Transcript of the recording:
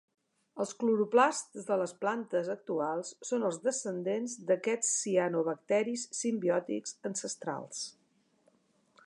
Els cloroplasts de les plantes actuals són els descendents d'aquests cianobacteris simbiòtics ancestrals.